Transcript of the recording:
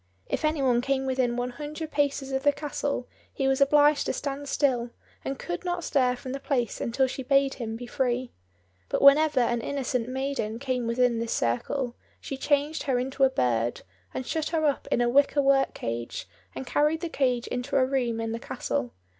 If any one came within one hundred paces of the castle he was obliged to stand still, and could not stir from the place until she bade him be free. But whenever an innocent maiden came within this circle, she changed her into a bird, and shut her up in a wicker work cage, and carried the cage into a room in the castle.